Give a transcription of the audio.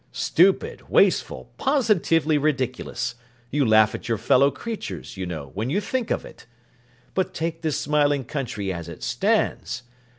Stupid, wasteful, positively ridiculous; you laugh at your fellow creatures, you know, when you think of it! But take this smiling country as it stands.